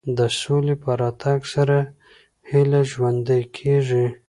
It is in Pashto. د سولې په راتګ سره هیله ژوندۍ کېږي.